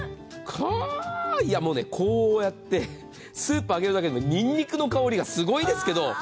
いや、もうね、こうやってスープあげるだけでもにんにくの香りがすごいです。